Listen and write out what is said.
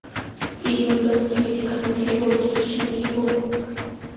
პირველდაწყებითი განათლება ოჯახში მიიღო.